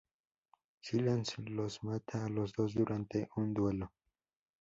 Silas los mata a los dos durante un duelo.